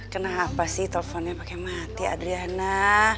kenapa sih telfonnya pake mati adriana